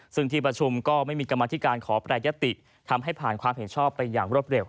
ซึ่งที่ประชุมก็ไม่มีกรรมธิการขอแปรยติทำให้ผ่านความเห็นชอบไปอย่างรวดเร็ว